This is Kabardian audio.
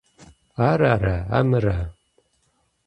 Ар ара, амыра?